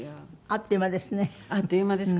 あっという間ですね。